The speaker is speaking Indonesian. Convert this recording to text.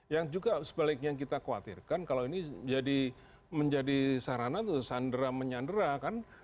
yang juga sebaliknya kita khawatirkan kalau ini menjadi sarana tuh sandra menyandera kan